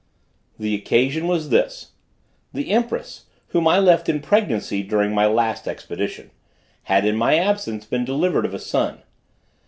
The occasion was this: the empress, whom I left in pregnancy during my last expedition, had in my absence been delivered of a son.